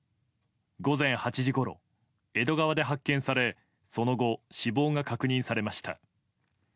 午前８時ごろ江戸川で発見されその後、死亡が確認されました。